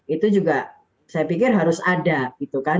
itu juga saya pikir harus ada gitu kan